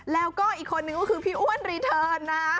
แล้วก็อีกคนนึงก็คือพี่อ้วนรีเทิร์นนะ